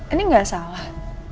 ini gak salah